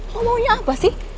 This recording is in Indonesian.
lo maunya apa sih